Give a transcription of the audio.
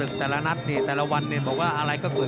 ครับครับครับครับครับครับครับครับ